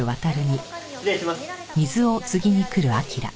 失礼します。